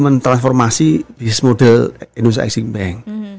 men transformasi bisnis model indonesia exing bank